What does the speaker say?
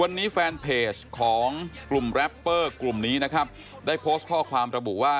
วันนี้แฟนเพจของกลุ่มแรปเปอร์กลุ่มนี้นะครับได้โพสต์ข้อความระบุว่า